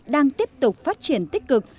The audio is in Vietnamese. đang tiếp tục phát triển tích cực